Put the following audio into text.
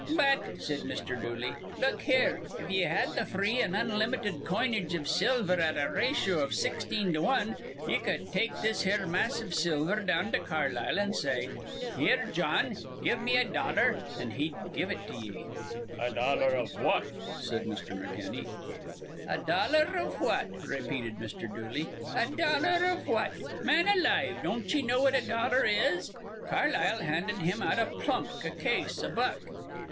"But," said Mr. Dooley, "look here: if ye had th' free an' unlimited coinage iv silver at a ratio iv sixteen to wan, ye cud take this here mass iv silver down to Carlisle, an' say, 'Here, Jawn, give me a dollar'; an' he'd have to give it to ye." "A dollar of what?" said Mr. McKenna. "A dollar iv what?" repeated Mr. Dooley. "A dollar iv what? Man alive, don't ye know what a dollar is? Carlisle'd hand him out a plunk, a case, a buck.